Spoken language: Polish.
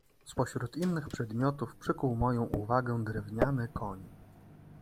"Z pośród innych przedmiotów przykuł moją uwagę drewniany koń."